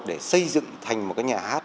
để xây dựng thành một cái nhà hát